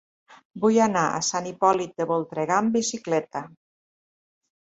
Vull anar a Sant Hipòlit de Voltregà amb bicicleta.